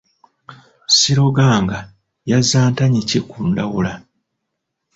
Siroganga yazza ntanyi ki ku Ndawula?